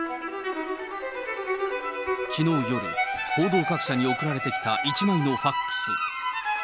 きのう夜、報道各社に送られてきた１枚のファックス。